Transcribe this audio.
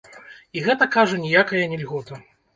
І гэта, кажа, ніякая не льгота.